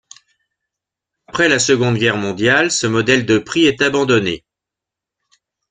Après la Seconde Guerre mondiale, ce modèle de prix est abandonné.